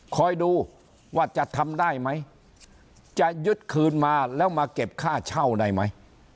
คอยดูว่าจะทำได้ไหมจะยึดคืนมาแล้วมาเก็บค่าเช่าได้ไหม